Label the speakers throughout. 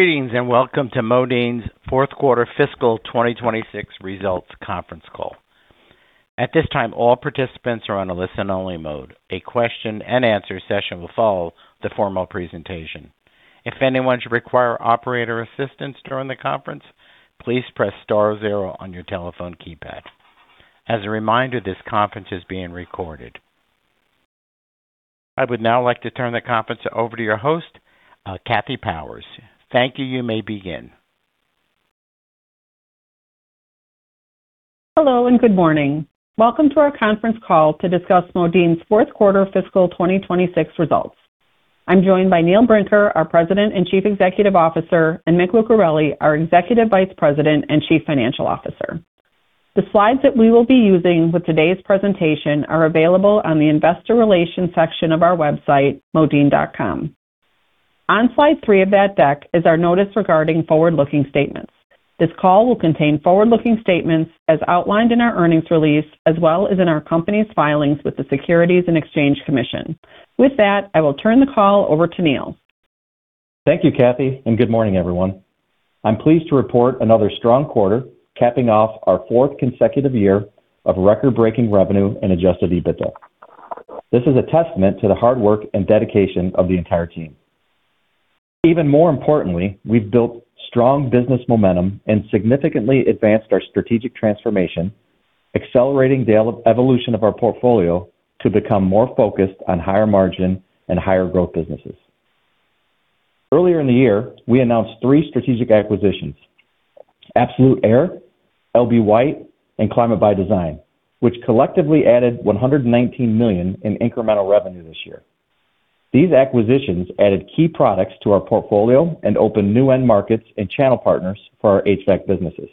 Speaker 1: Greetings, and welcome to Modine's fourth quarter fiscal 2026 results conference call. At this time, all participants are on a listen-only mode. A question and answer session will follow the formal presentation. If anyone should require operator assistance during the conference, please press star zero on your telephone keypad. As a reminder, this conference is being recorded. I would now like to turn the conference over to your host, Kathleen Powers. Thank you. You may begin.
Speaker 2: Hello, good morning. Welcome to our conference call to discuss Modine's fourth quarter fiscal 2026 results. I'm joined by Neil Brinker, our President and Chief Executive Officer, and Mick Lucareli, our Executive Vice President and Chief Financial Officer. The slides that we will be using with today's presentation are available on the investor relations section of our website, modine.com. On slide three of that deck is our notice regarding forward-looking statements. This call will contain forward-looking statements as outlined in our earnings release, as well as in our company's filings with the Securities and Exchange Commission. With that, I will turn the call over to Neil.
Speaker 3: Thank you, Kathy, and good morning, everyone. I'm pleased to report another strong quarter, capping off our fourth consecutive year of record-breaking revenue and adjusted EBITDA. This is a testament to the hard work and dedication of the entire team. Even more importantly, we've built strong business momentum and significantly advanced our strategic transformation, accelerating the evolution of our portfolio to become more focused on higher margin and higher growth businesses. Earlier in the year, we announced three strategic acquisitions: AbsolutAire, L.B. White, and Climate by Design, which collectively added $119 million in incremental revenue this year. These acquisitions added key products to our portfolio and opened new end markets and channel partners for our HVAC businesses.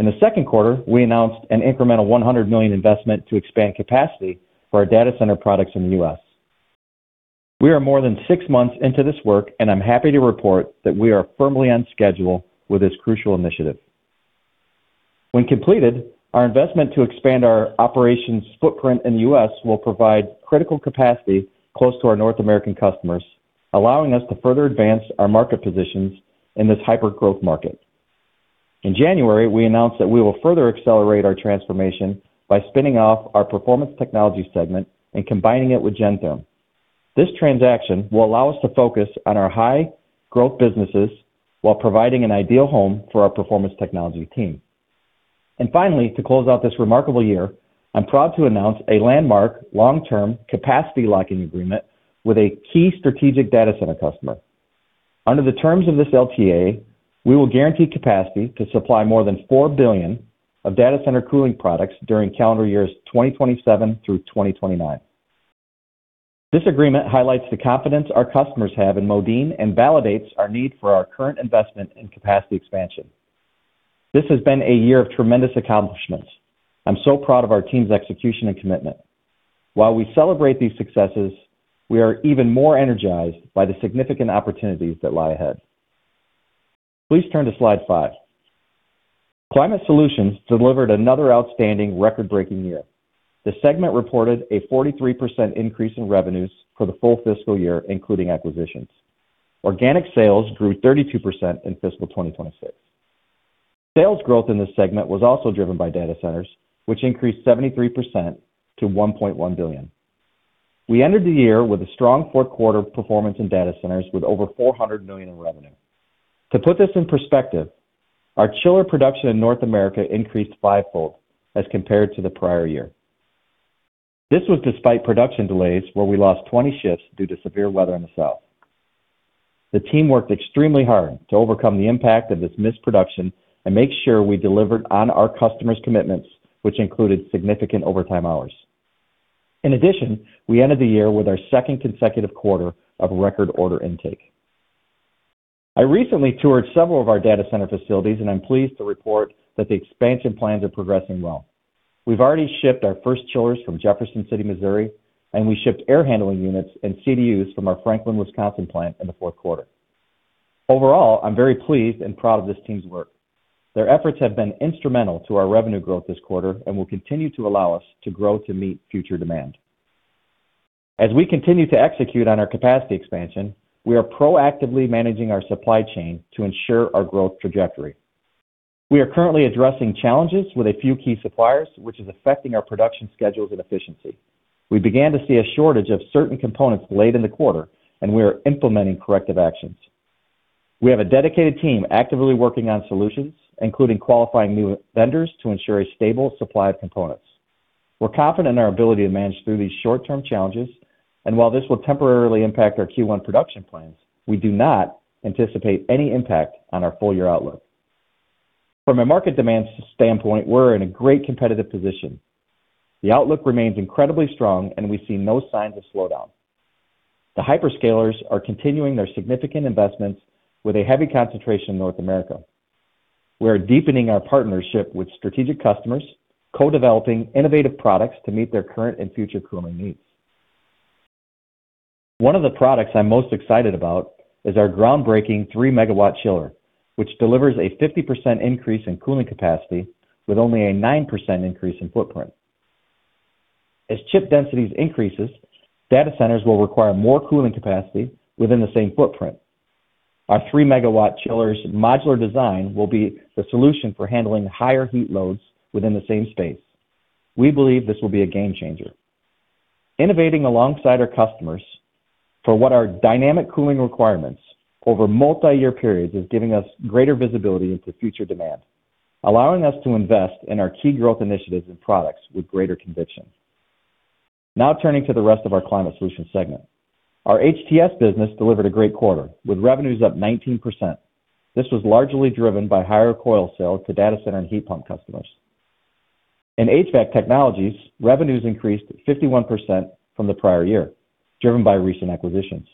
Speaker 3: In the second quarter, we announced an incremental $100 million investment to expand capacity for our data center products in the U.S. We are more than six months into this work, and I'm happy to report that we are firmly on schedule with this crucial initiative. When completed, our investment to expand our operations footprint in the U.S. will provide critical capacity close to our North American customers, allowing us to further advance our market positions in this hyper-growth market. In January, we announced that we will further accelerate our transformation by spinning off our Performance Technologies segment and combining it with Gentherm. This transaction will allow us to focus on our high-growth businesses while providing an ideal home for our Performance Technologies team. Finally, to close out this remarkable year, I'm proud to announce a landmark long-term capacity locking agreement with a key strategic data center customer. Under the terms of this LTA, we will guarantee capacity to supply more than $4 billion of data center cooling products during calendar years 2027 through 2029. This agreement highlights the confidence our customers have in Modine and validates our need for our current investment in capacity expansion. This has been a year of tremendous accomplishments. I'm so proud of our team's execution and commitment. While we celebrate these successes, we are even more energized by the significant opportunities that lie ahead. Please turn to slide five. Climate Solutions delivered another outstanding, record-breaking year. The segment reported a 43% increase in revenues for the full fiscal year, including acquisitions. Organic sales grew 32% in fiscal 2026. Sales growth in this segment was also driven by data centers, which increased 73% to $1.1 billion. We ended the year with a strong fourth-quarter performance in data centers with over $400 million in revenue. To put this in perspective, our chiller production in North America increased fivefold as compared to the prior year. This was despite production delays where we lost 20 shifts due to severe weather in the south. The team worked extremely hard to overcome the impact of this missed production and make sure we delivered on our customers' commitments, which included significant overtime hours. In addition, we ended the year with our second consecutive quarter of record order intake. I recently toured several of our data center facilities, and I'm pleased to report that the expansion plans are progressing well. We've already shipped our first chillers from Jefferson City, Missouri, and we shipped air handling units and CDUs from our Franklin, Wisconsin, plant in the fourth quarter. Overall, I'm very pleased and proud of this team's work. Their efforts have been instrumental to our revenue growth this quarter and will continue to allow us to grow to meet future demand. As we continue to execute on our capacity expansion, we are proactively managing our supply chain to ensure our growth trajectory. We are currently addressing challenges with a few key suppliers, which is affecting our production schedules and efficiency. We began to see a shortage of certain components late in the quarter, and we are implementing corrective actions. We have a dedicated team actively working on solutions, including qualifying new vendors to ensure a stable supply of components. We're confident in our ability to manage through these short-term challenges, and while this will temporarily impact our Q1 production plans, we do not anticipate any impact on our full-year outlook. From a market demand standpoint, we're in a great competitive position. The outlook remains incredibly strong. We see no signs of slowdown. The hyperscalers are continuing their significant investments with a heavy concentration in North America. We are deepening our partnership with strategic customers, co-developing innovative products to meet their current and future cooling needs. One of the products I'm most excited about is our groundbreaking 3 MW chiller, which delivers a 50% increase in cooling capacity with only a 9% increase in footprint. As chip densities increase, data centers will require more cooling capacity within the same footprint. Our 3 MW chiller's modular design will be the solution for handling higher heat loads within the same space. We believe this will be a game changer. Innovating alongside our customers for what are dynamic cooling requirements over multi-year periods is giving us greater visibility into future demand, allowing us to invest in our key growth initiatives and products with greater conviction. Turning to the rest of our Climate Solutions segment. Our HTS business delivered a great quarter, with revenues up 19%. This was largely driven by higher coil sales to data center and heat pump customers. In HVAC technologies, revenues increased 51% from the prior year, driven by recent acquisitions.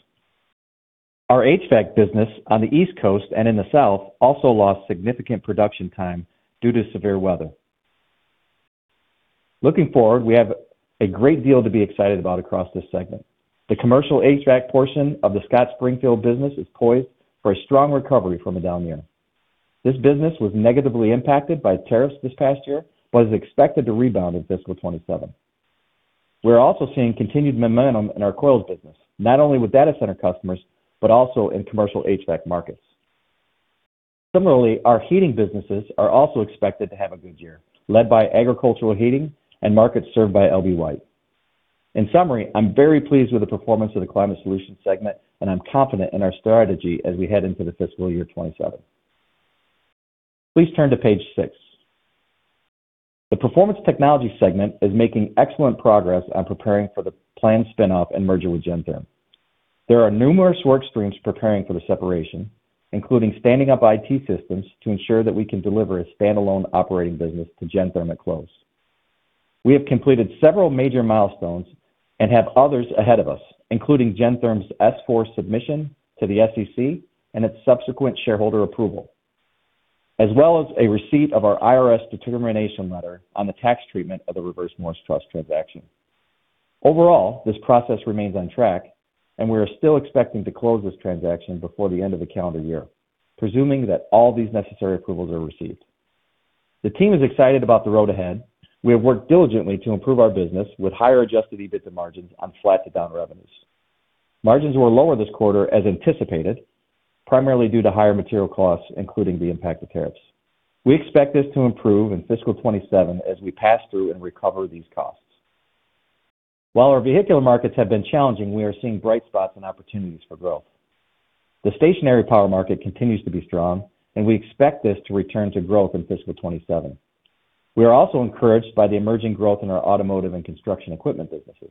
Speaker 3: Our HVAC business on the East Coast and in the South also lost significant production time due to severe weather. Looking forward, we have a great deal to be excited about across this segment. The commercial HVAC portion of the Scott Springfield business is poised for a strong recovery from a down year. This business was negatively impacted by tariffs this past year but is expected to rebound in fiscal 2027. We're also seeing continued momentum in our coils business, not only with data center customers, but also in commercial HVAC markets. Similarly, our heating businesses are also expected to have a good year, led by agricultural heating and markets served by L.B. White. In summary, I'm very pleased with the performance of the Climate Solutions segment, and I'm confident in our strategy as we head into the fiscal year 2027. Please turn to page six. The Performance Technologies segment is making excellent progress on preparing for the planned spin-off and merger with Gentherm. There are numerous work streams preparing for the separation, including standing up IT systems to ensure that we can deliver a standalone operating business to Gentherm at close. We have completed several major milestones and have others ahead of us, including Gentherm's S-4 submission to the SEC and its subsequent shareholder approval, as well as a receipt of our IRS determination letter on the tax treatment of the Reverse Morris Trust transaction. Overall, this process remains on track, and we are still expecting to close this transaction before the end of the calendar year, presuming that all these necessary approvals are received. The team is excited about the road ahead. We have worked diligently to improve our business with higher adjusted EBITDA margins on flat to down revenues. Margins were lower this quarter as anticipated, primarily due to higher material costs, including the impact of tariffs. We expect this to improve in fiscal 2027 as we pass through and recover these costs. While our vehicular markets have been challenging, we are seeing bright spots and opportunities for growth. The stationary power market continues to be strong. We expect this to return to growth in fiscal 2027. We are also encouraged by the emerging growth in our automotive and construction equipment businesses.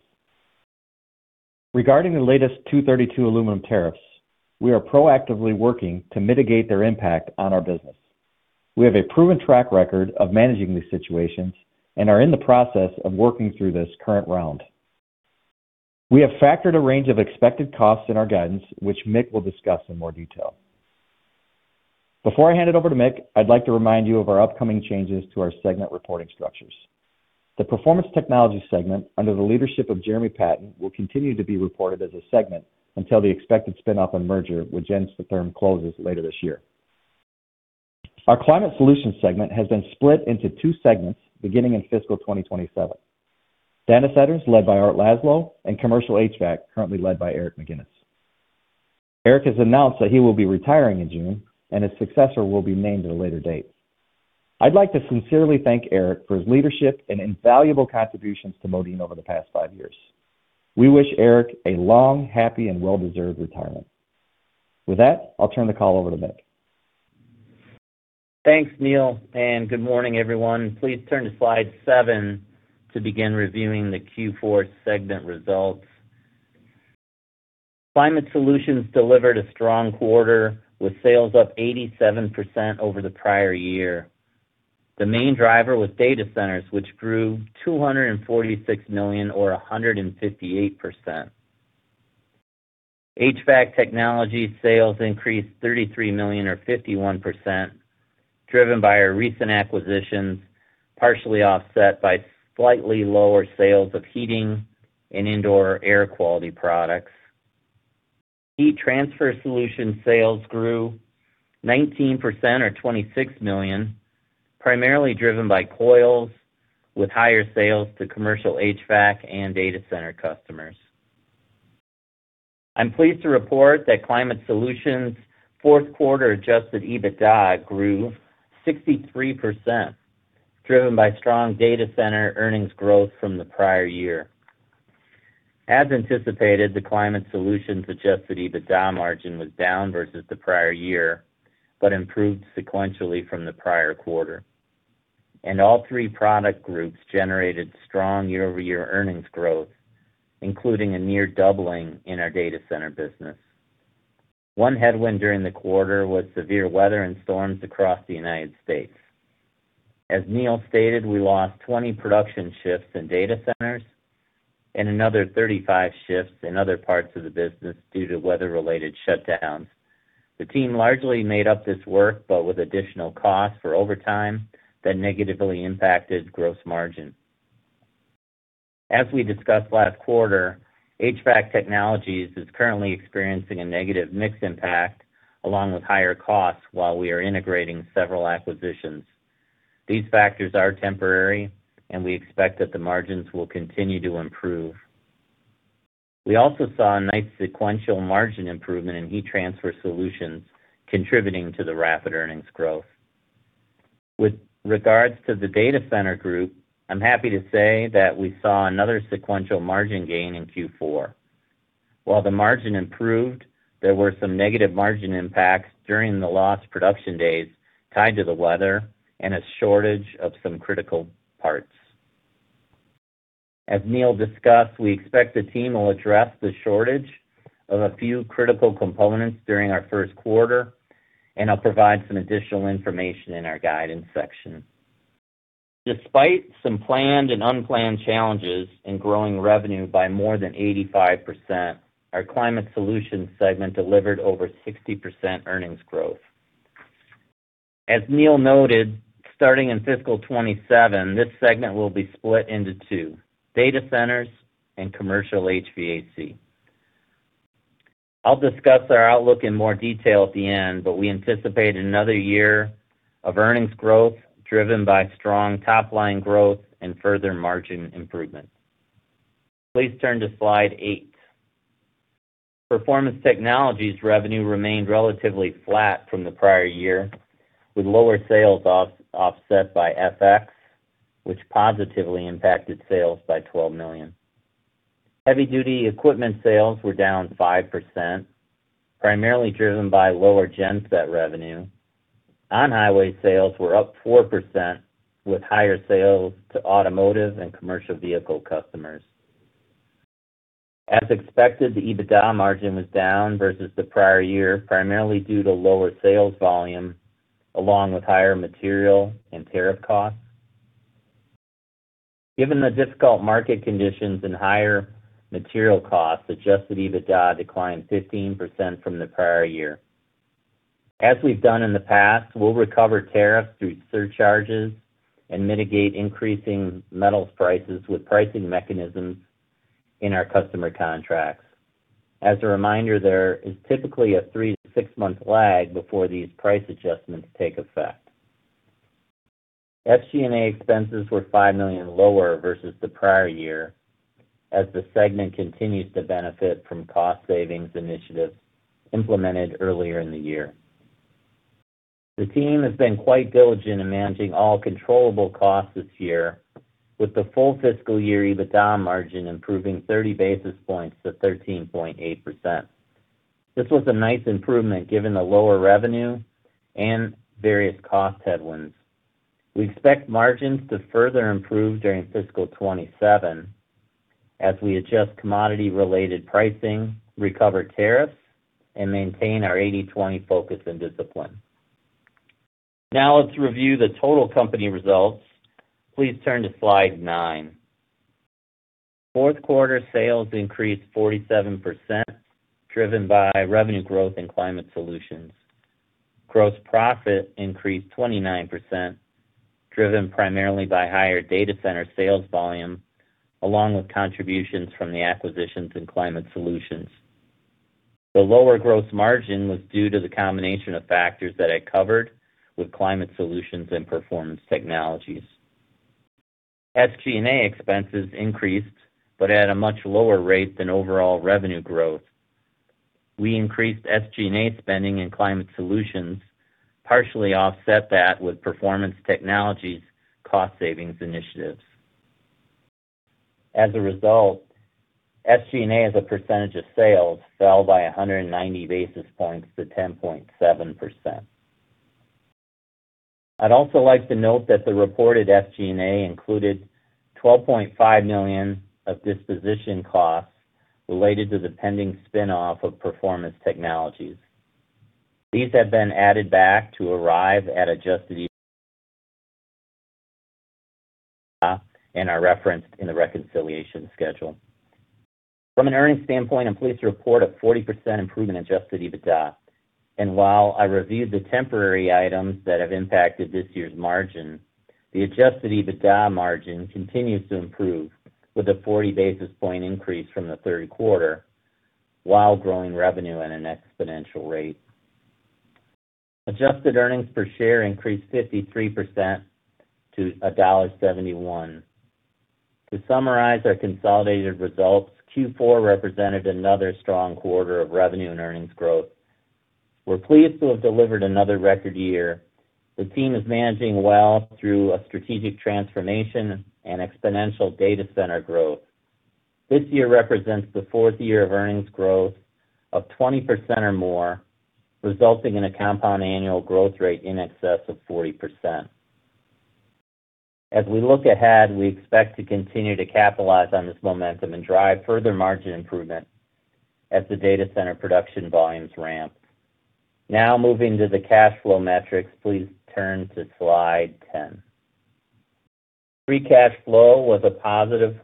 Speaker 3: Regarding the latest 232 aluminum tariffs, we are proactively working to mitigate their impact on our business. We have a proven track record of managing these situations and are in the process of working through this current round. We have factored a range of expected costs in our guidance, which Mick will discuss in more detail. Before I hand it over to Mick, I'd like to remind you of our upcoming changes to our segment reporting structures. The Performance Technologies segment, under the leadership of Jeremy Patten, will continue to be reported as a segment until the expected spin-off and merger with Gentherm closes later this year. Our Climate Solutions segment has been split into two segments beginning in fiscal 2027. Data centers led by Art Laszlo and commercial HVAC, currently led by Eric McGinnis. Eric has announced that he will be retiring in June; his successor will be named at a later date. I'd like to sincerely thank Eric for his leadership and invaluable contributions to Modine over the past five years. We wish Eric a long, happy, and well-deserved retirement. With that, I'll turn the call over to Mick.
Speaker 4: Thanks, Neil, and good morning, everyone. Please turn to slide seven to begin reviewing the Q4 segment results. Climate Solutions delivered a strong quarter with sales up 87% over the prior year. The main driver was data centers, which grew $246 million, or 158%. HVAC technology sales increased $33 million, or 51%, driven by our recent acquisitions, partially offset by slightly lower sales of heating and indoor air quality products. Heat Transfer Solutions sales grew 19% or $26 million, primarily driven by coils with higher sales to commercial HVAC and data center customers. I'm pleased to report that Climate Solutions' fourth quarter adjusted EBITDA grew 63%, driven by strong data center earnings growth from the prior year. As anticipated, the Climate Solutions adjusted EBITDA margin was down versus the prior year but improved sequentially from the prior quarter. All three product groups generated strong year-over-year earnings growth, including a near doubling in our Data Centers business. One headwind during the quarter was severe weather and storms across the U.S. As Neil stated, we lost 20 production shifts in Data Centers and another 35 shifts in other parts of the business due to weather-related shutdowns. The team largely made up this work, but with additional costs for overtime that negatively impacted gross margin. As we discussed last quarter, HVAC Technologies is currently experiencing a negative mix impact along with higher costs while we are integrating several acquisitions. These factors are temporary, and we expect that the margins will continue to improve. We also saw a nice sequential margin improvement in Heat Transfer Solutions contributing to the rapid earnings growth. With regards to the Data Centers group, I'm happy to say that we saw another sequential margin gain in Q4. While the margin improved, there were some negative margin impacts during the loss production days tied to the weather and a shortage of some critical parts. As Neil discussed, we expect the team will address the shortage of a few critical components during our first quarter, and I'll provide some additional information in our guidance section. Despite some planned and unplanned challenges in growing revenue by more than 85%, our Climate Solutions segment delivered over 60% earnings growth. As Neil noted, starting in fiscal 2027, this segment will be split into two: Data Centers and commercial HVAC. I'll discuss our outlook in more detail at the end. We anticipate another year of earnings growth driven by strong top-line growth and further margin improvement. Please turn to slide eight. Performance Technologies revenue remained relatively flat from the prior year, with lower sales offset by FX, which positively impacted sales by $12 million. Heavy-duty equipment sales were down 5%, primarily driven by lower genset revenue. On-highway sales were up 4%, with higher sales to automotive and commercial vehicle customers. As expected, the EBITDA margin was down versus the prior year, primarily due to lower sales volume, along with higher material and tariff costs. Given the difficult market conditions and higher material costs, adjusted EBITDA declined 15% from the prior year. As we've done in the past, we'll recover tariffs through surcharges and mitigate increasing metals prices with pricing mechanisms in our customer contracts. As a reminder, there is typically a three to six-month lag before these price adjustments take effect. SG&A expenses were $5 million lower versus the prior year, as the segment continues to benefit from cost savings initiatives implemented earlier in the year. The team has been quite diligent in managing all controllable costs this year, with the full fiscal year EBITDA margin improving 30 basis points to 13.8%. This was a nice improvement given the lower revenue and various cost headwinds. We expect margins to further improve during fiscal 2027 as we adjust commodity-related pricing, recover tariffs, and maintain our 80/20 focus and discipline. Let's review the total company results. Please turn to slide nine. Fourth quarter sales increased 47%, driven by revenue growth in Climate Solutions. Gross profit increased 29%, driven primarily by higher data center sales volume, along with contributions from the acquisitions and Climate Solutions. The lower gross margin was due to the combination of factors that I covered with Climate Solutions and Performance Technologies. SG&A expenses increased at a much lower rate than overall revenue growth. We increased SG&A spending in Climate Solutions and partially offset that with Performance Technologies cost-savings initiatives. As a result, SG&A as a percentage of sales fell by 190 basis points to 10.7%. I'd also like to note that the reported SG&A included $12.5 million of disposition costs related to the pending spin-off of Performance Technologies. These have been added back to arrive at adjusted EBITDA and are referenced in the reconciliation schedule. From an earnings standpoint, I'm pleased to report a 40% improvement in adjusted EBITDA. While I reviewed the temporary items that have impacted this year's margin, the adjusted EBITDA margin continues to improve with a 40 basis points increase from the third quarter while growing revenue at an exponential rate. Adjusted earnings per share increased 53% to $1.71. To summarize our consolidated results, Q4 represented another strong quarter of revenue and earnings growth. We're pleased to have delivered another record year. The team is managing well through a strategic transformation and exponential Data Center growth. This year represents the fourth year of earnings growth of 20% or more, resulting in a compound annual growth rate in excess of 40%. As we look ahead, we expect to continue to capitalize on this momentum and drive further margin improvement as the Data Center production volumes ramp. Moving to the cash flow metrics. Please turn to slide 10. Free cash flow was a positive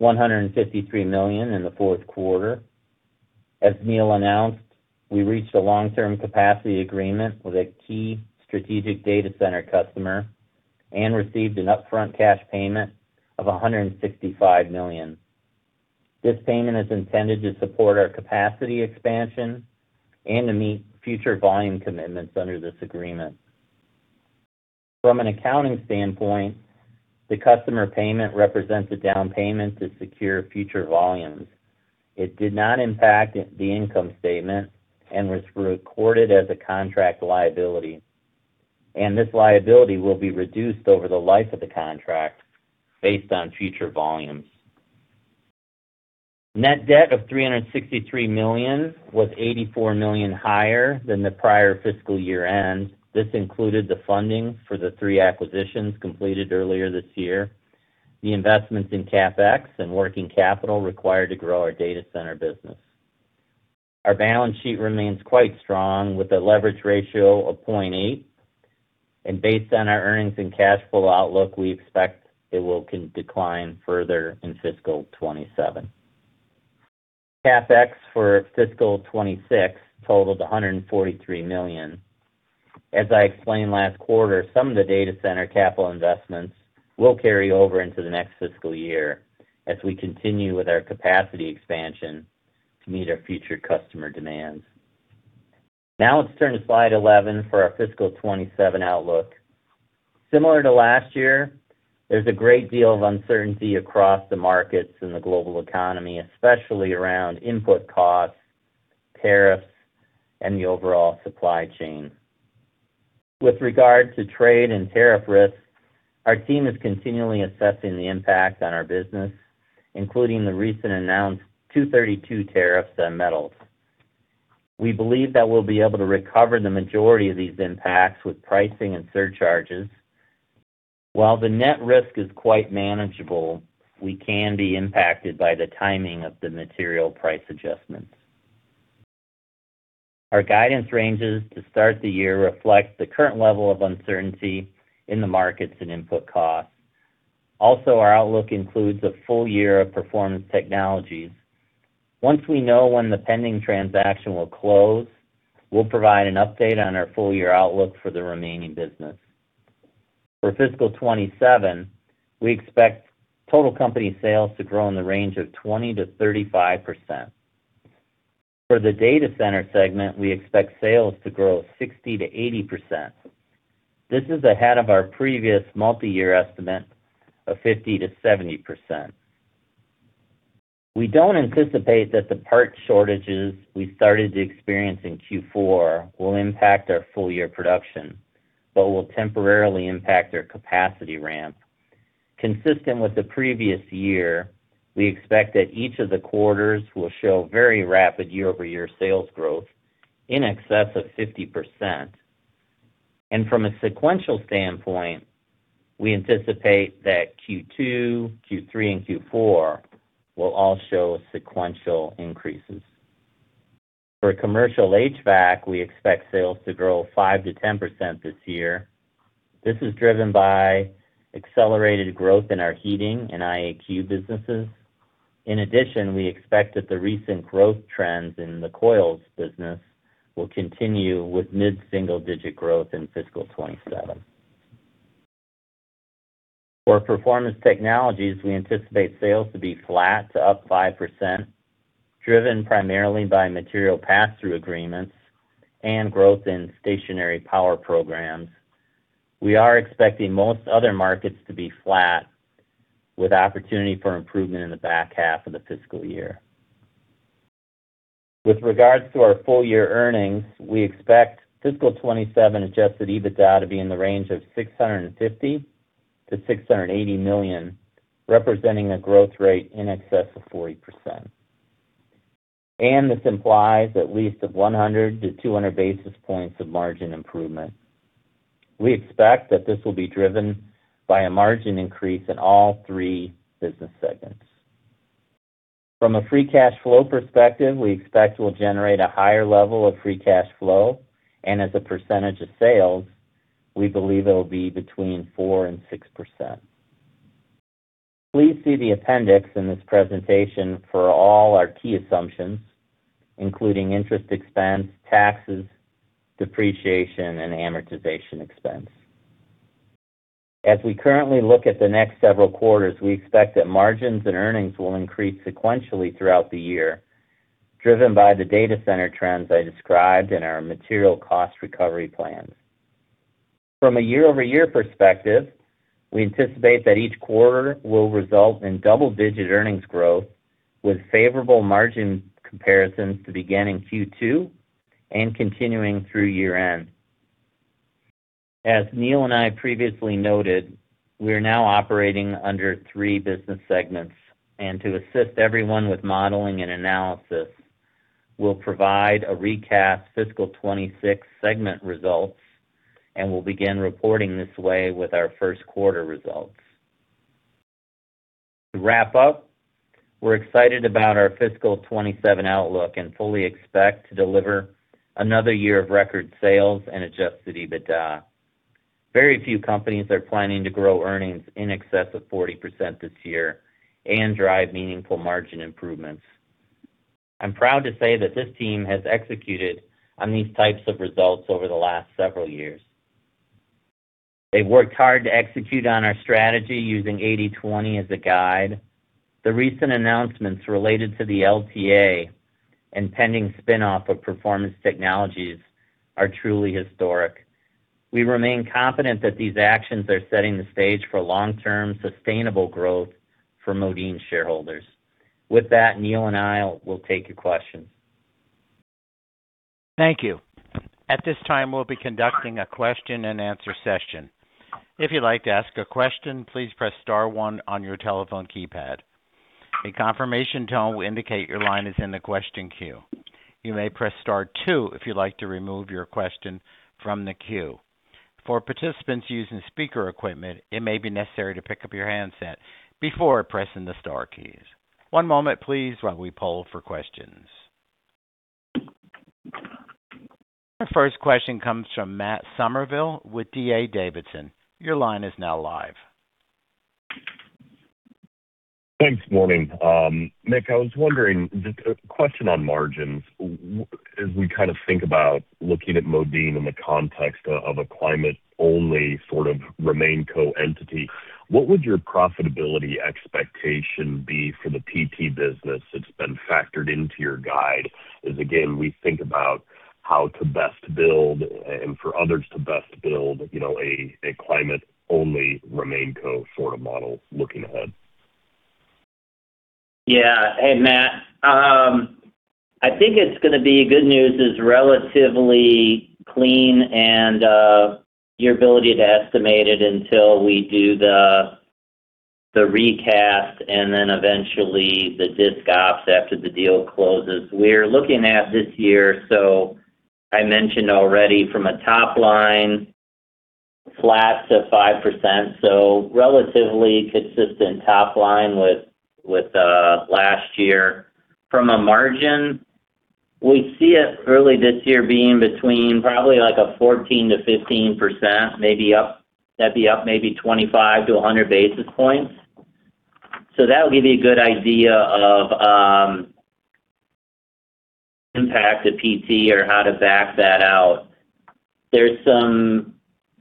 Speaker 4: $153 million in the fourth quarter. As Neil announced, we reached a long-term capacity agreement with a key strategic data center customer and received an upfront cash payment of $165 million. This payment is intended to support our capacity expansion and to meet future volume commitments under this agreement. From an accounting standpoint, the customer payment represents a down payment to secure future volumes. It did not impact the income statement and was recorded as a contract liability, and this liability will be reduced over the life of the contract based on future volumes. Net debt of $363 million was $84 million higher than the prior fiscal year-end. This included the funding for the three acquisitions completed earlier this year and the investments in CapEx and working capital required to grow our data center business. Our balance sheet remains quite strong with a leverage ratio of 0.8x, and based on our earnings and cash flow outlook, we expect it will decline further in fiscal 2027. CapEx for fiscal 2026 totaled $143 million. As I explained last quarter, some of the data center capital investments will carry over into the next fiscal year as we continue with our capacity expansion to meet our future customer demands. Let's turn to slide 11 for our fiscal 2027 outlook. Similar to last year, there's a great deal of uncertainty across the markets in the global economy, especially around input costs, tariffs, and the overall supply chain. With regard to trade and tariff risks, our team is continually assessing the impact on our business, including the recent announced 232 tariffs on metals. We believe that we'll be able to recover the majority of these impacts with pricing and surcharges. While the net risk is quite manageable, we can be impacted by the timing of the material price adjustments. Our guidance ranges to start the year reflect the current level of uncertainty in the markets and input costs. Also, our outlook includes a full year of Performance Technologies. Once we know when the pending transaction will close, we'll provide an update on our full-year outlook for the remaining business. For fiscal 2027, we expect total company sales to grow in the range of 20%-35%. For the data center segment, we expect sales to grow 60%-80%. This is ahead of our previous multi-year estimate of 50%-70%. We don't anticipate that the part shortages we started to experience in Q4 will impact our full-year production, but will temporarily impact our capacity ramp. Consistent with the previous year, we expect that each of the quarters will show very rapid year-over-year sales growth in excess of 50%. From a sequential standpoint, we anticipate that Q2, Q3, and Q4 will all show sequential increases. For commercial HVAC, we expect sales to grow 5%-10% this year. This is driven by accelerated growth in our heating and IAQ businesses. In addition, we expect that the recent growth trends in the coils business will continue with mid-single-digit growth in fiscal 2027. For Performance Technologies, we anticipate sales to be flat to up 5%, driven primarily by material pass-through agreements and growth in stationary power programs. We are expecting most other markets to be flat with the opportunity for improvement in the back half of the fiscal year. With regard to our full-year earnings, we expect fiscal 2027 adjusted EBITDA to be in the range of $650 million-$680 million, representing a growth rate in excess of 40%. This implies at least 100-200 basis points of margin improvement. We expect that this will be driven by a margin increase in all three business segments. From a free cash flow perspective, we expect we'll generate a higher level of free cash flow, and as a percentage of sales, we believe it'll be between 4% and 6%. Please see the appendix in this presentation for all our key assumptions, including interest expense, taxes, depreciation, and amortization expense. As we currently look at the next several quarters, we expect that margins and earnings will increase sequentially throughout the year, driven by the data center trends I described in our material cost recovery plans. From a year-over-year perspective, we anticipate that each quarter will result in double-digit earnings growth with favorable margin comparisons to begin in Q2 and continuing through year-end. As Neil and I previously noted, we are now operating under three business segments, and to assist everyone with modeling and analysis, we'll provide a recast fiscal 2026 segment results and will begin reporting this way with our first quarter results. To wrap up, we're excited about our fiscal 2027 outlook and fully expect to deliver another year of record sales and adjusted EBITDA. Very few companies are planning to grow earnings in excess of 40% this year and drive meaningful margin improvements. I'm proud to say that this team has executed on these types of results over the last several years. They've worked hard to execute on our strategy using 80/20 as a guide. The recent announcements related to the LTA and pending spin-off of Performance Technologies are truly historic. We remain confident that these actions are setting the stage for long-term sustainable growth for Modine shareholders. With that, Neil Brinker and I will take your questions.
Speaker 1: Thank you. At this time, we will be conducting a question and answer session. If you like to ask questions, please press star one on your telephone keypad. The confirmation tone will indicate your line on the questions queue. You may press star two if you like to remove your question from the queue. For participants using speaker equipment, you may necessarily have to pick up the handset. Before you press the star keys. One moment, please, while we poll for a question. First question comes from Matt Summerville with D.A. Davidson. Your line is now live.
Speaker 5: Thanks. Morning. Mick, I was wondering, just a question on margins. As we think about looking at Modine in the context of a climate-only sort of co-entity, what would your profitability expectation be for the PT business that's been factored into your guide? Again, we think about how to best build, and for others to best build, a climate-only model remains a sort of looking ahead.
Speaker 4: Hey, Matt. I think it's going to be good news, is relatively clean, and your ability to estimate it until we do the recast and then eventually the disc ops after the deal closes. We're looking at this year, I mentioned already, from a top line, flat to 5%, relatively consistent top line with last year. From a margin, we see it early this year being between probably like a 14%-15%, that'd be up maybe 25-100 basis points. That will give you a good idea of the impact on PT or how to back that out. There are some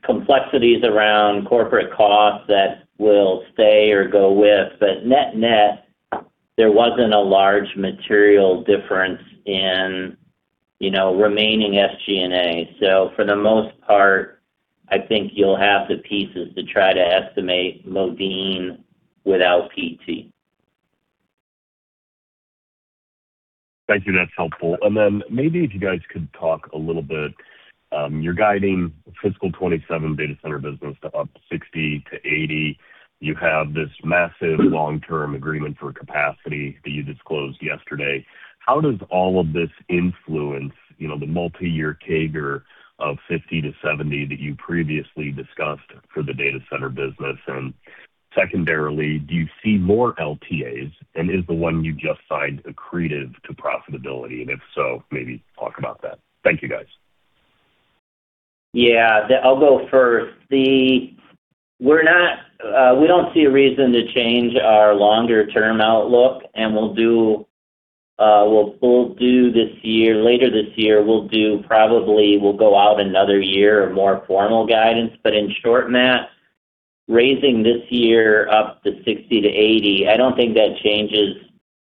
Speaker 4: complexities around corporate costs that will stay or go with. Net net, there wasn't a large material difference in remaining SG&A. For the most part, I think you'll have the pieces to try to estimate Modine without PT.
Speaker 5: Thank you. That's helpful. Then maybe if you guys could talk a little bit, you're guiding fiscal 2027 data center business to up 60%-80%. You have this massive long-term agreement for capacity that you disclosed yesterday. How does all of this influence the multi-year CAGR of 50%-70% that you previously discussed for the data center business? Secondarily, do you see more LTAs, and is the one you just signed accretive to profitability? If so, maybe talk about that. Thank you, guys.
Speaker 4: Yeah. I'll go first. We don't see a reason to change our longer-term outlook. Later this year, we'll probably go out another year of more formal guidance. In short, Matt, raising this year up to 60%-80%, I don't think that changes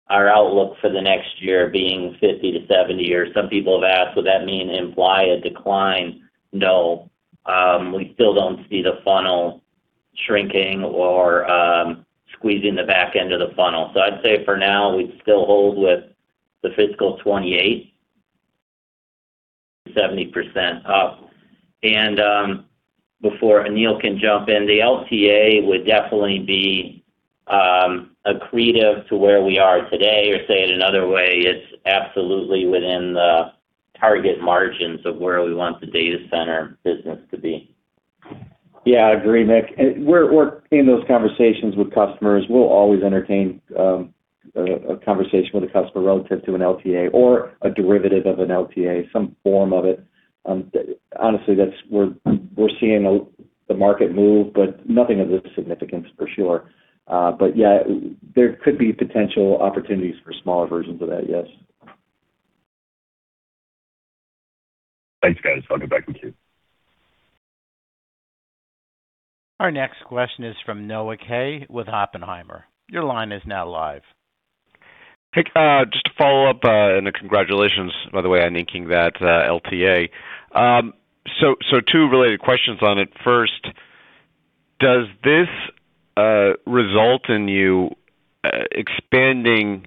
Speaker 4: our outlook for the next year being 50%-70% million. Some people have asked, would that mean implying a decline? No. We still don't see the funnel shrinking or squeezing the back end of the funnel. I'd say for now, we'd still hold with fiscal year 2028, 50%-70% up. Before Neil can jump in, the LTA would definitely be accretive to where we are today. Said another way, it's absolutely within the target margins of where we want the data center business to be.
Speaker 3: Yeah, I agree, Mick. We're in those conversations with customers. We'll always entertain a conversation with a customer relative to an LTA or a derivative of an LTA, some form of it. Honestly, we're seeing the market move. Nothing of this significance for sure. Yeah, there could be potential opportunities for smaller versions of that, yes.
Speaker 5: Thanks, guys. Talk to you back in the queue.
Speaker 1: Our next question is from Noah Kaye with Oppenheimer. Your line is now live.
Speaker 6: Hey. Just to follow up, congratulations, by the way, on inking that LTA. Two related questions on it. First, does this result in you expanding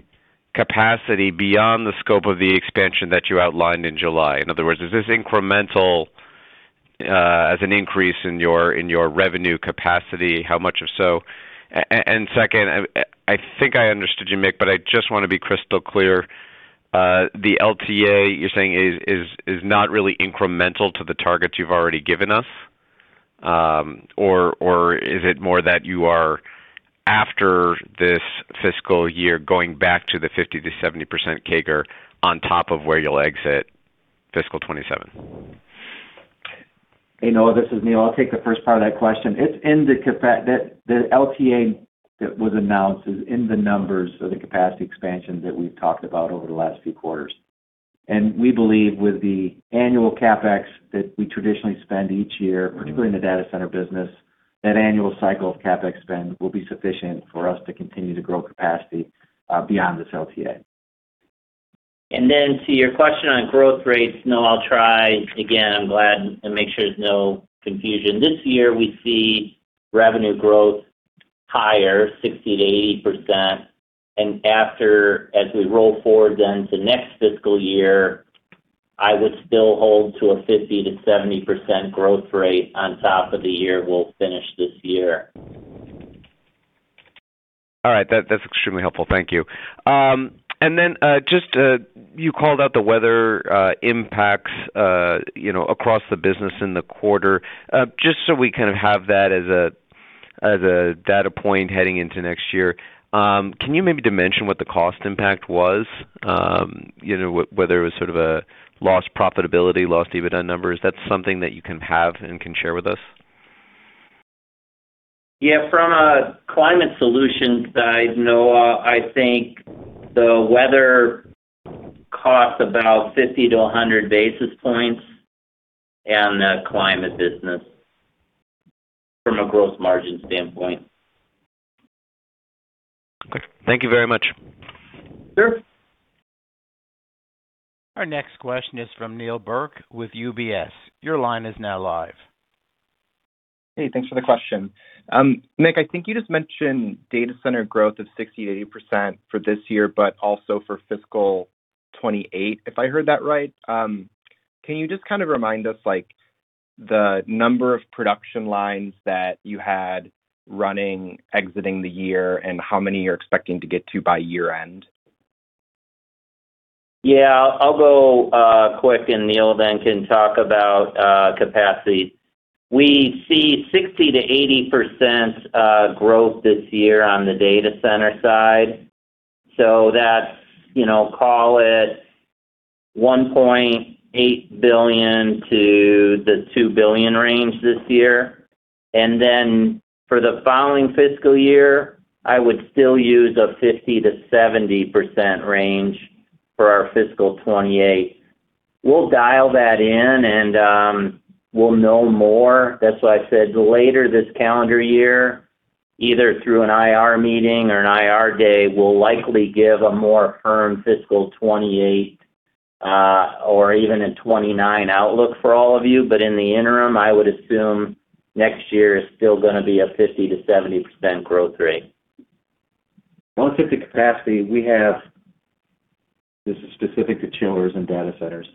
Speaker 6: capacity beyond the scope of the expansion that you outlined in July? In other words, is this incremental as an increase in your revenue capacity? How much if so? Second, I think I understood you, Mick; I just want to be crystal clear. The LTA you're saying is not really incremental to the targets you've already given us? Is it more that you are after this fiscal year, going back to the 50%-70% CAGR on top of where you'll exit fiscal 2027?
Speaker 3: Hey, Noah, this is Neil. I'll take the first part of that question. The LTA that was announced is in the numbers for the capacity expansion that we've talked about over the last few quarters. We believe with the annual CapEx that we traditionally spend each year, particularly in the data center business, that annual cycle of CapEx spend will be sufficient for us to continue to grow capacity beyond this LTA.
Speaker 4: To your question on growth rates, Noah, I'll try again. I'm glad, make sure there's no confusion. This year, we see revenue growth higher, 60%-80%. As we roll forward then to the next fiscal year, I would still hold to a 50%-70% growth rate on top of the year we'll finish this year.
Speaker 6: All right. That's extremely helpful. Thank you. You called out the weather impacts across the business in the quarter. Just so we kind of have that as a data point heading into next year, can you maybe dimension what the cost impact was? Whether it was sort of a lost profitability or lost EBITDA numbers. Is that something that you can have and can share with us?
Speaker 4: Yeah. From a Climate Solutions side, Noah, I think the weather costs about 50-100 basis points on the climate business from a gross margin standpoint.
Speaker 6: Okay. Thank you very much.
Speaker 4: Sure.
Speaker 1: Our next question is from Neil Burke with UBS. Your line is now live.
Speaker 7: Hey, thanks for the question. Mick, I think you just mentioned data center growth of 60%-80% for this year, but also for fiscal 2028, if I heard that right. Can you just kind of remind us of the number of production lines that you had running exiting the year and how many you're expecting to get to by year-end?
Speaker 4: I'll go quick, Neil then can talk about capacity. We see 60%-80% growth this year on the data center side. That's, call it, a $1.8 billion-$2 billion range this year. For the following fiscal year, I would still use a 50%-70% range for our fiscal 2028. We'll dial that in and we'll know more. That's why I said later this calendar year, either through an IR meeting or an IR day, we'll likely give a more firm fiscal 2028 or even a 2029 outlook for all of you. In the interim, I would assume next year is still going to be a 50%-70% growth rate.
Speaker 3: I'll look at the capacity we have. This is specific to chillers and data centers.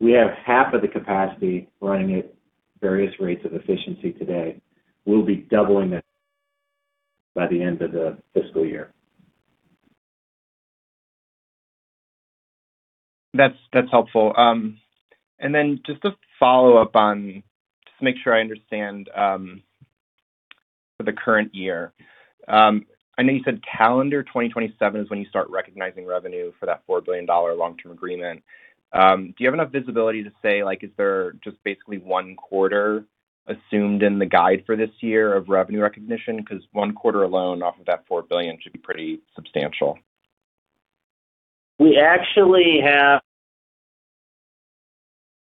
Speaker 3: We have half of the capacity running at various rates of efficiency today. We'll be doubling that by the end of the fiscal year.
Speaker 7: That's helpful. Just to follow up, just to make sure I understand, for the current year. I know you said calendar 2027 is when you start recognizing revenue for that $4 billion long-term agreement. Do you have enough visibility to say, is there just basically one quarter assumed in the guide for this year of revenue recognition? One quarter alone off of that $4 billion should be pretty substantial.
Speaker 4: We actually have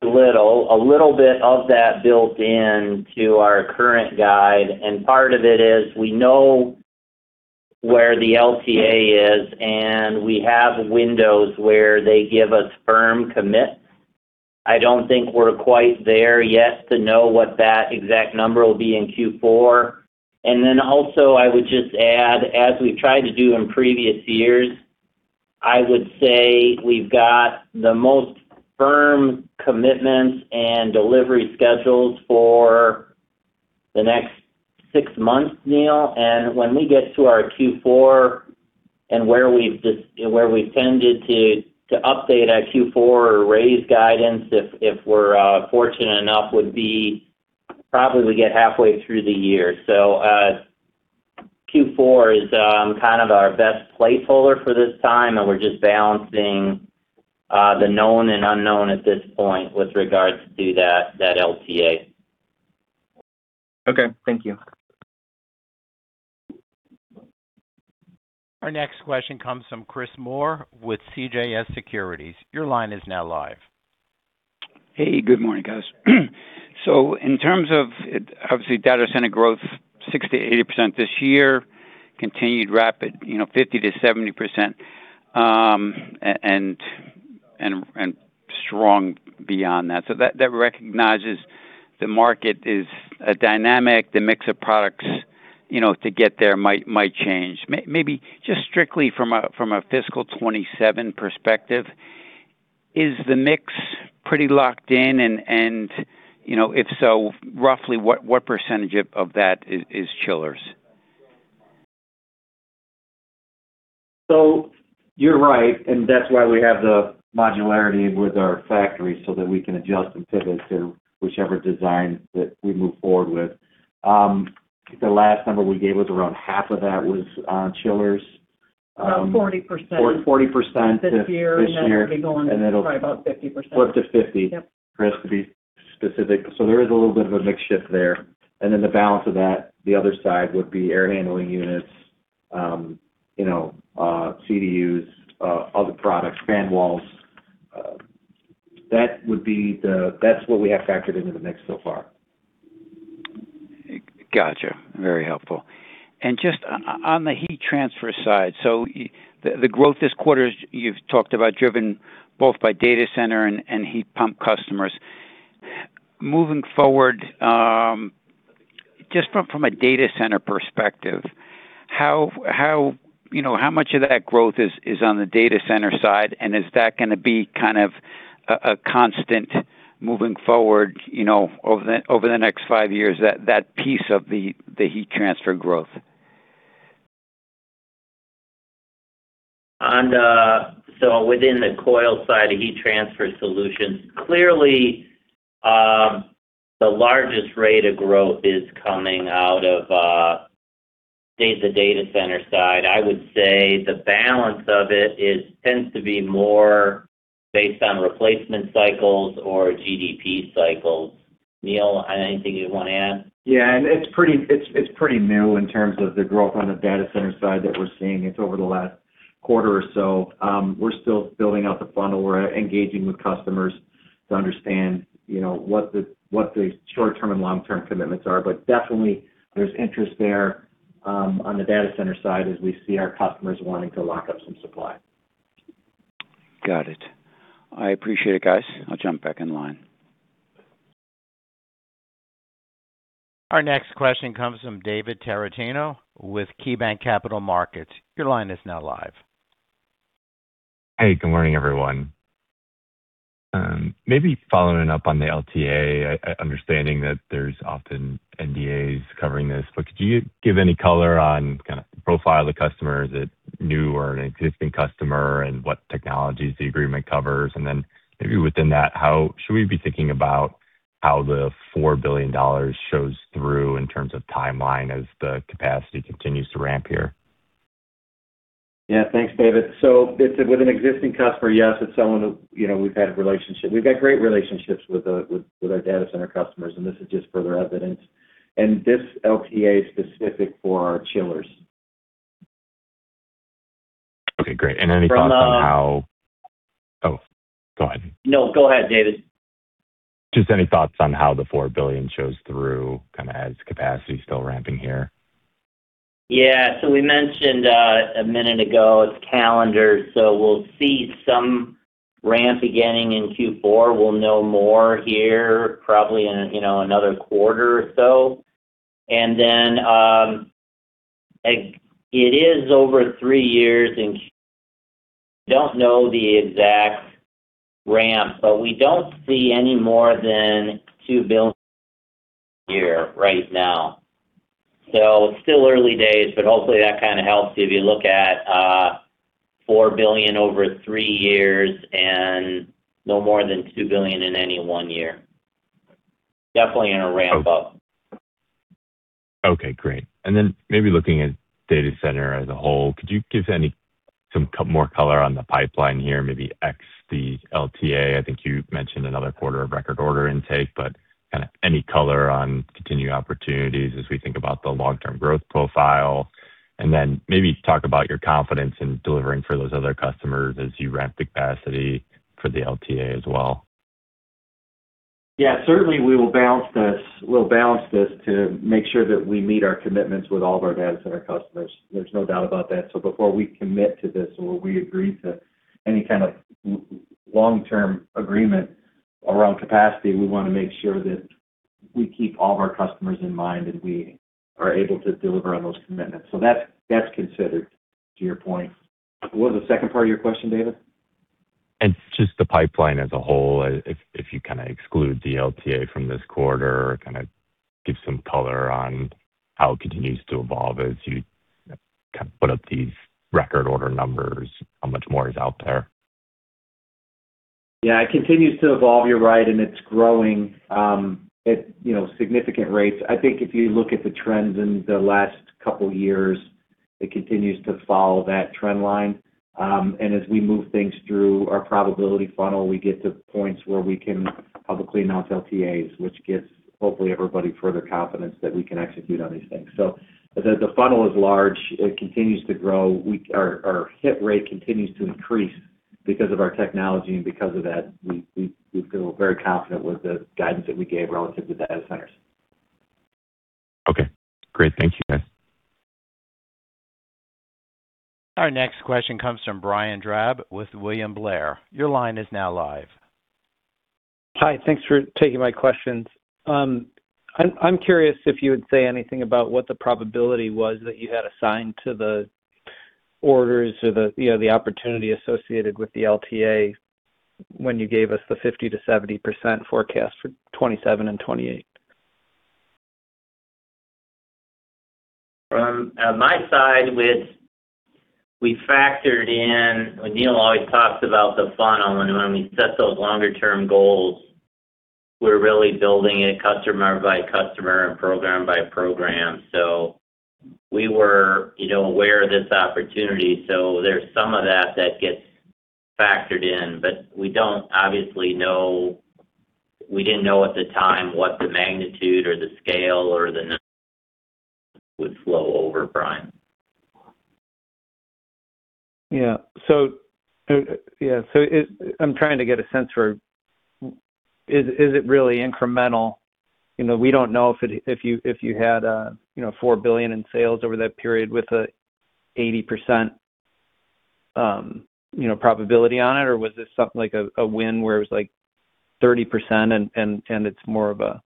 Speaker 4: a little bit of that built into our current guide, and part of it is we know where the LTA is, and we have windows where they give us firm commits. I don't think we're quite there yet to know what that exact number will be in Q4. Also, I would just add, as we've tried to do in previous years, I would say we've got the most firm commitments and delivery schedules for the next six months, Neil. When we get to our Q4 and where we've tended to update our Q4 or raise guidance if we're fortunate enough, it would probably be that we get halfway through the year. Q4 is kind of our best placeholder for this time, and we're just balancing the known and unknown at this point with regards to that LTA.
Speaker 7: Okay. Thank you.
Speaker 1: Our next question comes from Chris Moore with CJS Securities. Your line is now live.
Speaker 8: Hey, good morning, guys. In terms of, obviously, data center growth, 60%-80% this year, continued rapid 50%-70%, and strong beyond that. That recognizes the market is a dynamic. The mix of products to get there might change. Maybe just strictly from a fiscal 2027 perspective, is the mix pretty locked in? If so, roughly what % of that is chillers?
Speaker 3: You're right, and that's why we have the modularity with our factories, so that we can adjust and pivot to whichever design we move forward with. The last number we gave was around half of that, which was on chillers.
Speaker 4: About 40%.
Speaker 3: 40% this year.
Speaker 4: This year. That will be going probably about 50%.
Speaker 3: 40%-50%
Speaker 4: Yep
Speaker 3: Chris, to be specific. There is a little bit of a mix shift there. The balance of that, the other side, would be air handling units, CDUs, other products, and fan walls. That's what we have factored into the mix so far.
Speaker 8: Got you. Very helpful. Just on the heat transfer side, the growth this quarter you've talked about is driven by both data center and heat pump customers. Moving forward, just from a data center perspective, how much of that growth is on the data center side? Is that going to be a constant moving forward over the next five years, that piece of the heat transfer growth?
Speaker 4: Within the coil side of heat transfer solutions, clearly, the largest rate of growth is coming out of the data center side. I would say the balance of it tends to be more based on replacement cycles or GDP cycles. Neil, anything you want to add?
Speaker 3: It's pretty new in terms of the growth on the data center side that we're seeing. It's over the last quarter or so. We're still building out the funnel. We're engaging with customers to understand what the short-term and long-term commitments are. Definitely there's interest there on the data center side as we see our customers wanting to lock up some supply.
Speaker 8: Got it. I appreciate it, guys. I'll jump back in line.
Speaker 1: Our next question comes from David Tarantino with KeyBanc Capital Markets. Your line is now live.
Speaker 9: Hey, good morning, everyone. Maybe following up on the LTA, understanding that there's often NDAs covering this, but could you give any color on kind of the profile of the customer? Is it a new or an existing customer, and what technologies does the agreement cover? Then maybe within that, how should we be thinking about how the $4 billion shows through in terms of timeline as the capacity continues to ramp here?
Speaker 3: Yeah. Thanks, David. With an existing customer, yes, it's someone who we've had a relationship. We've got great relationships with our data center customers, and this is just further evidence, and this LTA is specific for our chillers.
Speaker 9: Okay, great. Oh, go ahead.
Speaker 4: No, go ahead, David.
Speaker 9: Just any thoughts on how the $4 billion shows through as capacity is still ramping here?
Speaker 4: Yeah. We mentioned a minute ago it's a calendar, so we'll see some ramp beginning in Q4. We'll know more here probably in another quarter or so. It is over three years, and don't know the exact ramp, but we don't see any more than $2 billion a year right now. It's still early days, but hopefully that kind of helps you if you look at $4 billion over three years and no more than $2 billion in any one year. Definitely going to ramp up.
Speaker 9: Okay, great. Maybe looking at data center as a whole, could you give some more color on the pipeline here? Maybe X the LTA. I think you mentioned another quarter of record order intake, but do you have any color on continued opportunities as we think about the long-term growth profile, and then maybe talk about your confidence in delivering for those other customers as you ramp capacity for the LTA as well?
Speaker 3: Yeah, certainly, we'll balance this to make sure that we meet our commitments with all of our data center customers. There's no doubt about that. Before we commit to this or agree to any kind of long-term agreement around capacity, we want to make sure that we keep all of our customers in mind and are able to deliver on those commitments. That's considered, to your point. What was the second part of your question, David?
Speaker 9: It's just the pipeline as a whole. If you kind of exclude the LTA from this quarter, kind of give some color on how it continues to evolve as you put up these record order numbers, how much more is out there?
Speaker 3: Yeah, it continues to evolve, you're right. It's growing at significant rates. I think if you look at the trends in the last couple of years, it continues to follow that trend line. As we move things through our probability funnel, we get to points where we can publicly announce LTAs, which gives, hopefully, everybody further confidence that we can execute on these things. As the funnel is large, it continues to grow. Our hit rate continues to increase because of our technology. Because of that, we feel very confident with the guidance that we gave relative to data centers.
Speaker 9: Okay, great. Thank you, guys.
Speaker 1: Our next question comes from Brian Drab with William Blair. Your line is now live.
Speaker 10: Hi. Thanks for taking my questions. I'm curious if you would say anything about what the probability was that you had assigned to the orders or the opportunity associated with the LTA when you gave us the 50%-70% forecast for 2027 and 2028.
Speaker 4: On my side, we factored in that when Neil always talks about the funnel and when we set those longer-term goals, we're really building it customer by customer and program by program. We were aware of this opportunity, so there's some of that that gets factored in, but we didn't know at the time what the magnitude or the scale or the number would flow over, Brian.
Speaker 10: I'm trying to get a sense for whether it's really incremental. We don't know if you had $4 billion in sales over that period with an 80% probability on it, or was this something like a win where it was 30% and it's more of a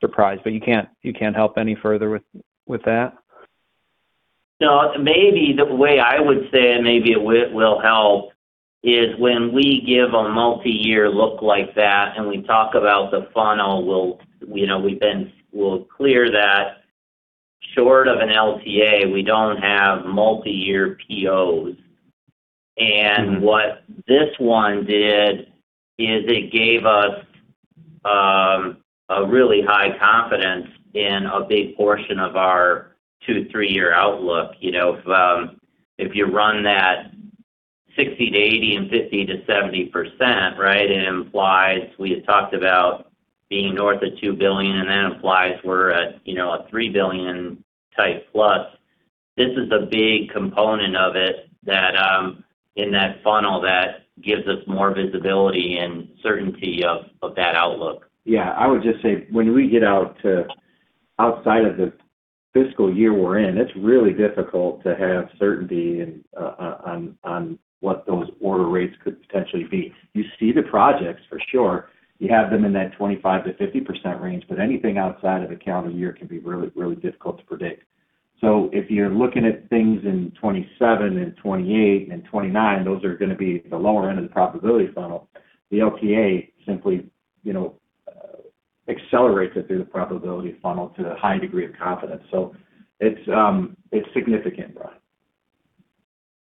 Speaker 10: surprise, but you can't help any further with that?
Speaker 4: Maybe the way I would say it, and maybe it will help, is when we give a multi-year look like that, and we talk about the funnel, we'll clear that short of an LTA, we don't have multi-year POs. What this one did is it gave us a really high confidence in a big portion of our two-three year outlook. If you run that 60-80% and 50-70%, right? It implies we had talked about being north of $2 billion, and that implies we're at $3 billion+ type. This is a big component of it in that funnel that gives us more visibility and certainty of that outlook.
Speaker 3: I would just say when we get outside of the fiscal year we're in, it's really difficult to have certainty on what those order rates could potentially be. You see the projects for sure. You have them in that 25%-50% range, but anything outside of the calendar year can be really difficult to predict. If you're looking at things in 2027 and 2028 and 2029, those are going to be the lower end of the probability funnel. The LTA simply accelerates it through the probability funnel to a high degree of confidence. It's significant, Brian.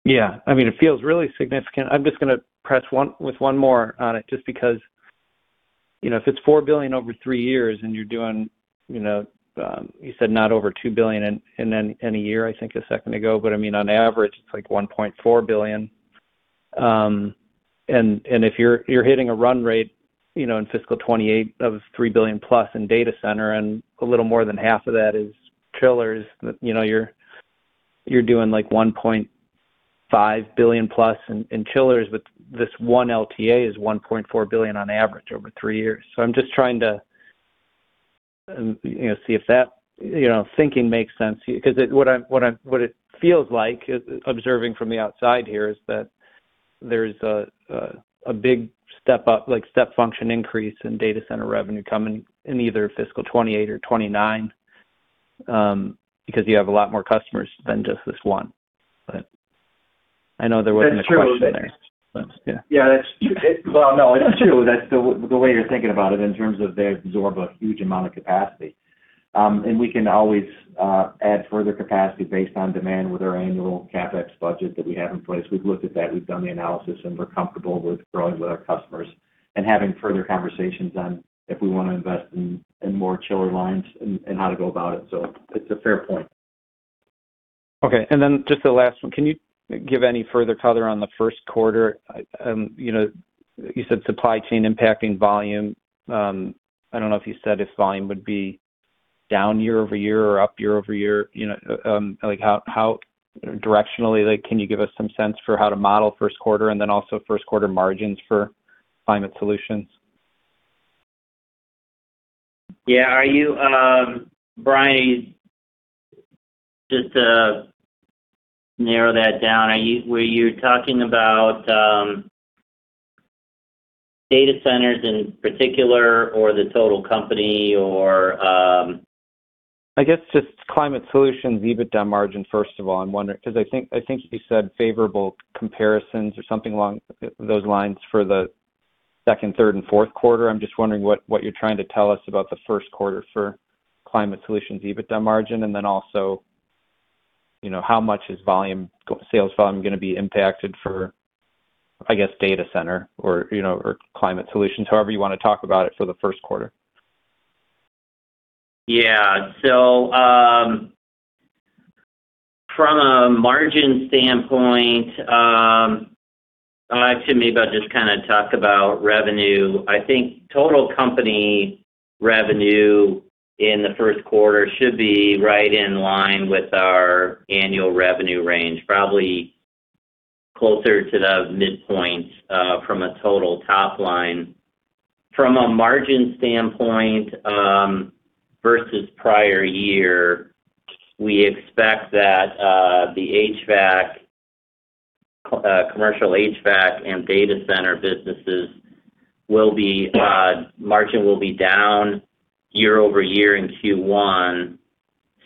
Speaker 10: Yeah. It feels really significant. I'm just going to press with one more on it just because if it's $4 billion over three years and you're doing—you said not over $2 billion in a year, I think, a second ago, but on average, it's like $1.4 billion. If you're hitting a run rate in fiscal 2028 of $3 billion+ in data centers, and a little more than half of that is chillers, you're doing like $1.5 billion+ in chillers, but this one LTA is $1.4 billion on average over three years. I'm just trying to see if that thinking makes sense. What it feels like, observing from the outside here, is that there's a big step up, like a step function increase in data center revenue coming in either fiscal 2028 or 2029. You have a lot more customers than just this one. I know there wasn't a question there.
Speaker 3: That's true.
Speaker 10: Yeah.
Speaker 3: Well, no, it's true. That's the way you're thinking about it in terms of them absorbing a huge amount of capacity. We can always add further capacity based on demand with our annual CapEx budget that we have in place. We've looked at that, we've done the analysis, and we're comfortable with growing with our customers and having further conversations on if we want to invest in more chiller lines and how to go about it. It's a fair point.
Speaker 10: Okay, just the last one. Can you give any further color on the first quarter? You said supply chain is impacting volume. I don't know if you said if volume would be down year-over-year or up year-over-year. Directionally, can you give us some sense for how to model first quarter also first quarter margins for Climate Solutions?
Speaker 4: Yeah. Brian, just to narrow that down, were you talking about data centers in particular, or the total company, or...?
Speaker 10: I guess just Climate Solutions EBITDA margin, first of all. Because I think you said favorable comparisons or something along those lines for the second, third, and fourth quarters. I'm just wondering what you're trying to tell us about the first quarter for Climate Solutions EBITDA margin, and then also how much sales volume is going to be impacted for, I guess, data center or Climate Solutions, however you want to talk about it for the first quarter.
Speaker 4: Yeah. From a margin standpoint, I'd actually maybe just talk about revenue. I think total company revenue in the first quarter should be right in line with our annual revenue range, probably closer to the midpoint from a total top line. From a margin standpoint versus the prior year, we expect that the commercial HVAC and data center businesses' margins will be down year-over-year in Q1,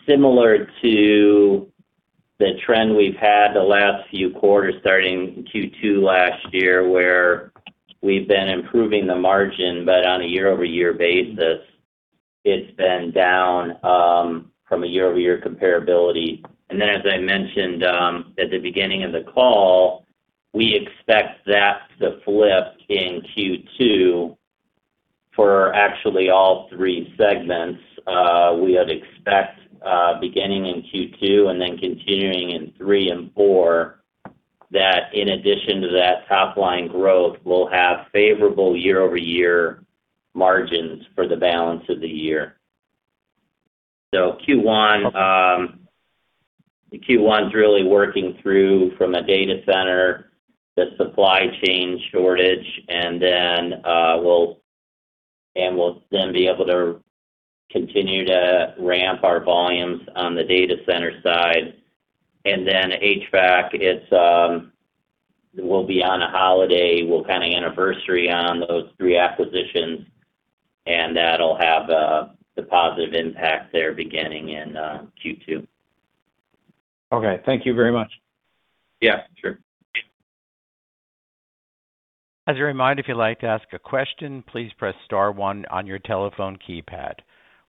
Speaker 4: similar to the trend we've had the last few quarters starting Q2 last year, where we've been improving the margin, but on a year-over-year basis, it's been down from a year-over-year comparability. As I mentioned at the beginning of the call, we expect that to flip in Q2 for actually all three segments. We would expect beginning in Q2 and then continuing in three and four that, in addition to that top-line growth, we'll have favorable year-over-year margins for the balance of the year. So Q1 is really working through the data center and the supply chain shortage, and we'll then be able to continue to ramp our volumes on the data center side. HVAC, we'll be on a holiday, we'll have anniversaries on those three acquisitions, and that'll have the positive impact there beginning in Q2.
Speaker 10: Okay. Thank you very much.
Speaker 3: Yeah, sure.
Speaker 1: As a reminder, if you'd like to ask a question, please press star one on your telephone keypad.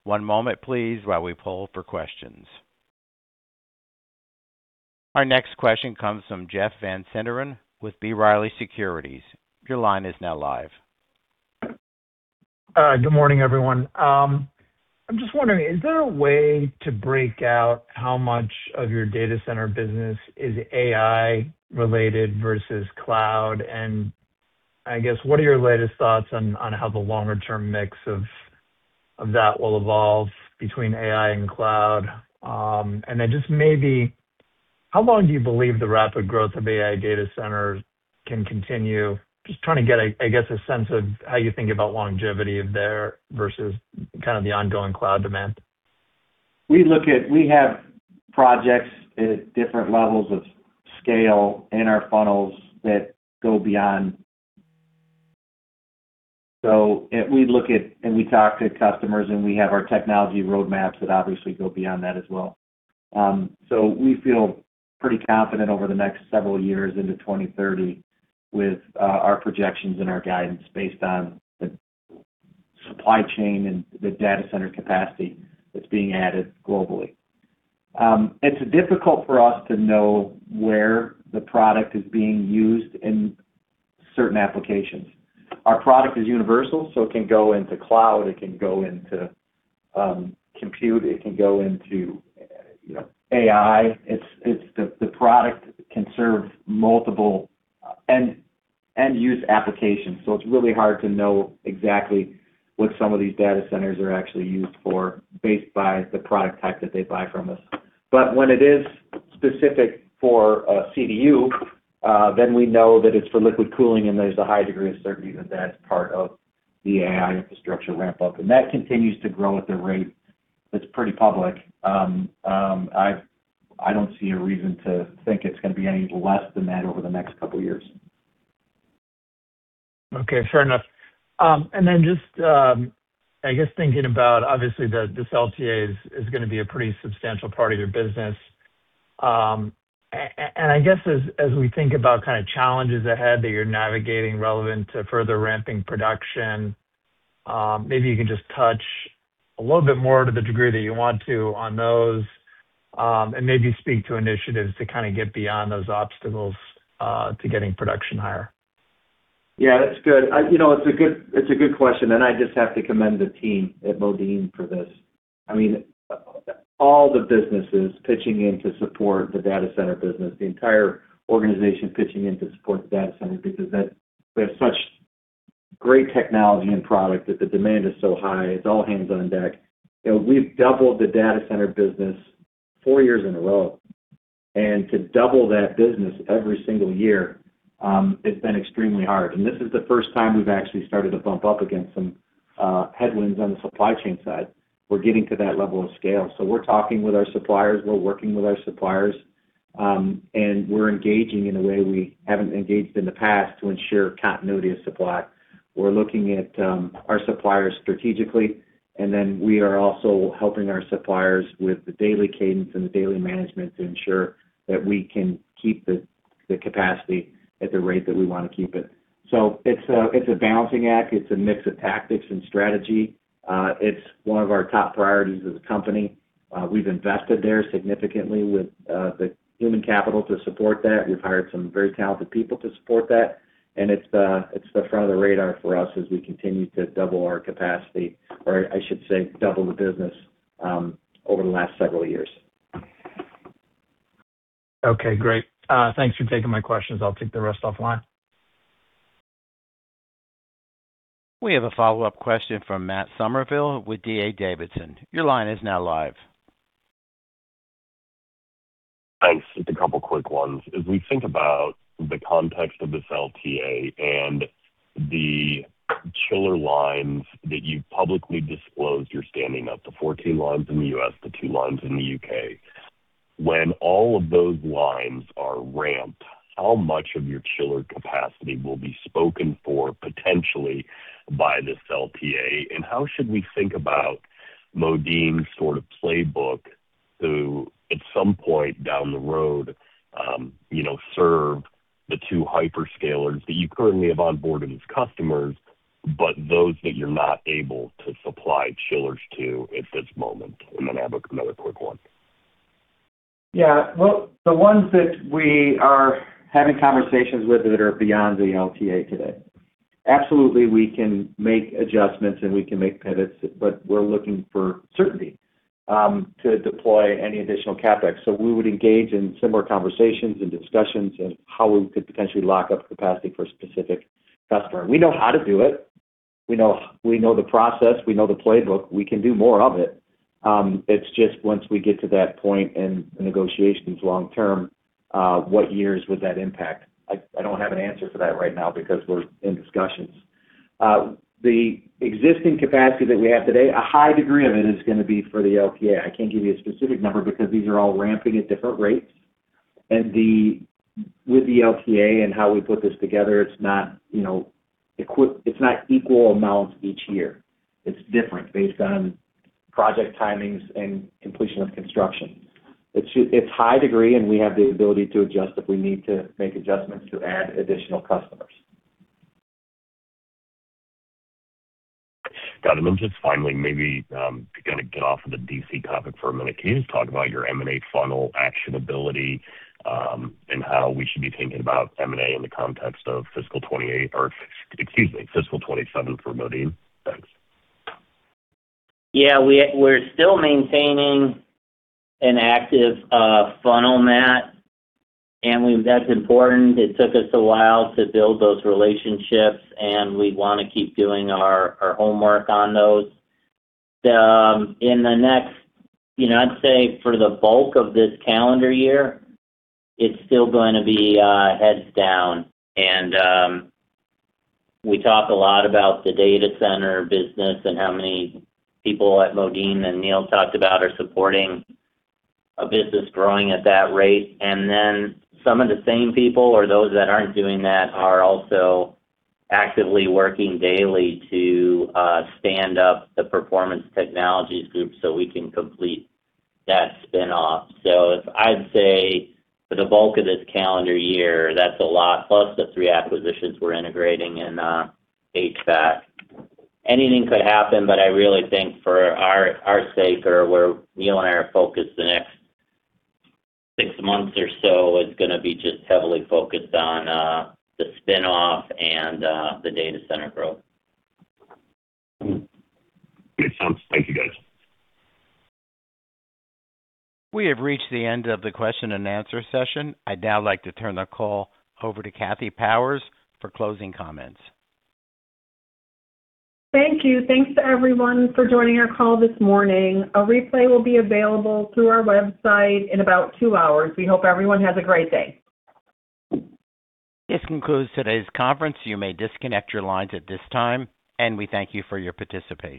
Speaker 1: One moment please while we poll for questions. Our next question comes from Jeff Van Sinderen with B. Riley Securities. Your line is now live.
Speaker 11: Good morning, everyone. I'm just wondering, is there a way to break out how much of your data center business is AI-related versus cloud? I guess what are your latest thoughts on how the longer-term mix of that will evolve between AI and cloud? Just maybe, how long do you believe the rapid growth of AI data centers can continue? Just trying to get, I guess, a sense of how you think about longevity there versus the ongoing cloud demand.
Speaker 3: We have projects at different levels of scale in our funnels that go beyond. We look at and talk to customers, and we have our technology roadmaps that obviously go beyond that as well. We feel pretty confident over the next several years into 2030 with our projections and our guidance based on the supply chain and the data center capacity that's being added globally. It's difficult for us to know where the product is being used in certain applications. Our product is universal, so it can go into the cloud, it can go into compute, and it can go into AI. The product can serve multiple end-use applications. It's really hard to know exactly what some of these data centers are actually used for based on the product type that they buy from us. When it is specific for a CDU, then we know that it's for liquid cooling, and there's a high degree of certainty that that's part of the AI infrastructure ramp-up. That continues to grow at the rate that's pretty public. I don't see a reason to think it's going to be any less than that over the next couple of years.
Speaker 11: Okay, fair enough. Just, I guess, thinking about it, obviously, this LTA is going to be a pretty substantial part of your business. I guess as we think about challenges ahead that you're navigating relevant to further ramping production, maybe you can just touch a little bit more to the degree that you want to on those, and maybe speak to initiatives to get beyond those obstacles to getting production higher.
Speaker 3: Yeah, that's good. It's a good question. I just have to commend the team at Modine for this. All the businesses pitching in to support the data center business, the entire organization pitching in to support the data center because we have such great technology and product that the demand is so high, it's all hands on deck. We've doubled the data center business four years in a row. To double that business every single year, it's been extremely hard. This is the first time we've actually started to bump up against some headwinds on the supply chain side. We're getting to that level of scale. We're talking with our suppliers, we're working with our suppliers, and we're engaging in a way we haven't engaged in the past to ensure continuity of supply. We're looking at our suppliers strategically, and then we are also helping our suppliers with the daily cadence and the daily management to ensure that we can keep the capacity at the rate that we want to keep it. It's a balancing act. It's a mix of tactics and strategy. It's one of our top priorities as a company. We've invested there significantly with the human capital to support that. We've hired some very talented people to support that, and it's the front of the radar for us as we continue to double our capacity, or I should say double the business over the last several years.
Speaker 11: Okay, great. Thanks for taking my questions. I'll take the rest offline.
Speaker 1: We have a follow-up question from Matt Summerville with D.A. Davidson.
Speaker 5: Thanks. Just a couple quick ones. As we think about the context of this LTA and the chiller lines that you've publicly disclosed you're standing up, the 14 lines in the U.S., the two lines in the U.K. When all of those lines are ramped, how much of your chiller capacity will be spoken for potentially by this LTA? How should we think about Modine's sort of playbook to, at some point down the road, serve the two hyperscalers that you currently have onboarded as customers, but those that you're not able to supply chillers to at this moment? I have another quick one.
Speaker 3: Yeah. The ones that we are having conversations with that are beyond the LTA today. We can make adjustments and we can make pivots, but we're looking for certainty to deploy any additional CapEx. We would engage in similar conversations and discussions of how we could potentially lock up capacity for a specific customer. We know how to do it. We know the process, we know the playbook. We can do more of it. It's just once we get to that point in the negotiations long term, what years would that impact? I don't have an answer for that right now because we're in discussions. The existing capacity that we have today, a high degree of it, is going to be for the LTA. I can't give you a specific number because these are all ramping at different rates, and with the LTA and how we put this together, it's not equal amounts each year. It's different based on project timings and completion of construction. It's a high degree, and we have the ability to adjust if we need to make adjustments to add additional customers.
Speaker 5: Got it. Just finally, maybe to kind of get off of the DC topic for a minute, can you just talk about your M&A funnel actionability, and how we should be thinking about M&A in the context of fiscal 2028, or excuse me, fiscal 2027 for Modine? Thanks.
Speaker 4: Yeah, we're still maintaining an active funnel, Matt, and that's important. It took us a while to build those relationships, and we want to keep doing our homework on those. I'd say for the bulk of this calendar year, it's still going to be heads down. We talk a lot about the data center business and how many people at Modine, as Neil talked about, are supporting a business growing at that rate. Some of the same people, or those that aren't doing that, are also actively working daily to stand up the Performance Technologies group so we can complete that spin-off. I'd say for the bulk of this calendar year, that's a lot, plus the three acquisitions we're integrating in HVAC. Anything could happen, but I really think for our sake, or where Neil and I are focused the next six months or so, is going to be just heavily focused on the spin-off and the data center growth.
Speaker 5: Great stuff. Thank you, guys.
Speaker 1: We have reached the end of the question-and-answer session. I'd now like to turn the call over to Kathleen Powers for closing comments.
Speaker 2: Thank you. Thanks to everyone for joining our call this morning. A replay will be available through our website in about two hours. We hope everyone has a great day.
Speaker 1: This concludes today's conference. You may disconnect your lines at this time, and we thank you for your participation.